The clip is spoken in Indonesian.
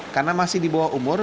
karena masih di bawah umur